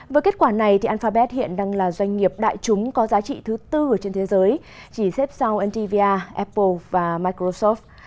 với kết quả này alphabet hiện đang là doanh nghiệp đại chúng có giá trị thứ tư trên thế giới chỉ xếp sau ndva apple và microsoft